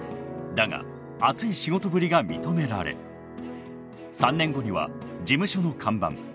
だが熱い仕事ぶりが認められ３年後には事務所の看板